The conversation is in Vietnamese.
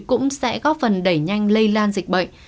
cũng sẽ góp phần đẩy nhanh lây lan dịch bệnh